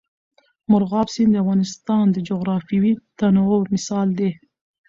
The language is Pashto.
مورغاب سیند د افغانستان د جغرافیوي تنوع مثال دی.